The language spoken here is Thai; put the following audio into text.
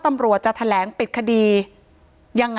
ถ้าใครอยากรู้ว่าลุงพลมีโปรแกรมทำอะไรที่ไหนยังไง